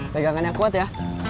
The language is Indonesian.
tegangannya kuat ya